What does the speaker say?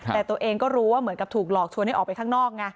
แต่ตัวเองก็รู้ว่าเหมือนกับถูกหลอกชวนให้ออกไปข้างนอกไง